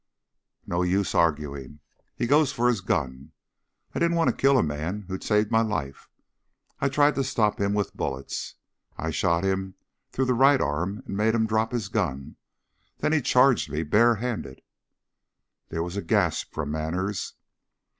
"No use arguing. He goes for his gun. I didn't want to kill a man who'd saved my life. I tried to stop him with bullets. I shot him through the right arm and made him drop his gun. Then he charged me barehanded!" There was a gasp from Manners.